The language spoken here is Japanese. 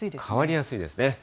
変わりやすいですね。